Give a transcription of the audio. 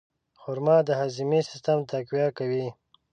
خرما د هاضمې سیستم تقویه کوي.